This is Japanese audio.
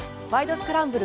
スクランブル」